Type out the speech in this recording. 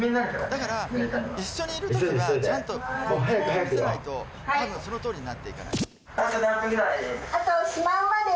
だから一緒にいる時はちゃんと見本を見せないと多分その通りになっていかないんで。